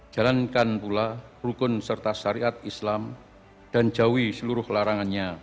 jalankan pula rukun serta syariat islam dan jauhi seluruh larangannya